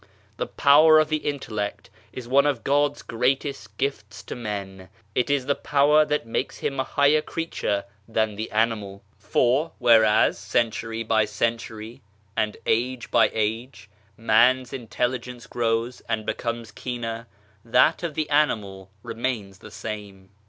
The power of the Intellect is one of God's greatest gifts to men, it is the power that makes him a higher creature than the animal. For whereas, century by century and age by age man's intelligence grows and be comes keener, that of the animal remains the same.